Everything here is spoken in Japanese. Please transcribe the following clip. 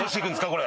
これ。